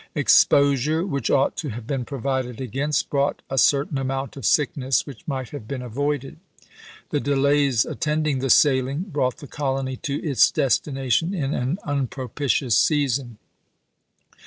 Exposure, which ought to have been provided against, brought a certain amount of sickness which might have been avoided. The delays attending the sailing brought the colony to its destination in an unpropitious season.